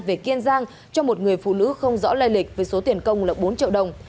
về kiên giang cho một người phụ nữ không rõ lai lịch với số tiền công là bốn triệu đồng